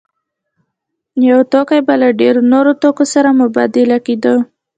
یو توکی به له ډېرو نورو توکو سره مبادله کېده